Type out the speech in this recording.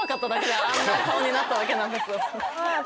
あんな顔になっただけなんです。